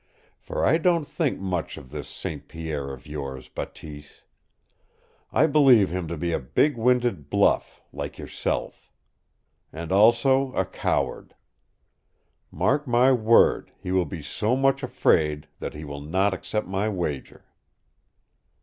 For I don't think much of this St. Pierre of yours, Bateese. I believe him to be a big winded bluff, like yourself. And also a coward. Mark my word, he will be so much afraid that he will not accept my wager!"